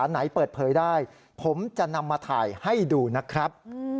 ให้ดูนะครับ